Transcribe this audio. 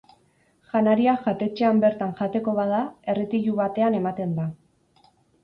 Janaria jatetxean bertan jateko bada, erretilu batean ematen da.